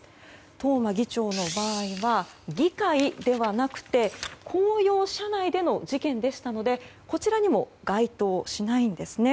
東間議長の場合は議会ではなくて公用車内での事件でしたのでこちらにも該当しないんですね。